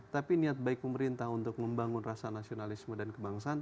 tapi niat baik pemerintah untuk membangun rasa nasionalisme dan kebangsaan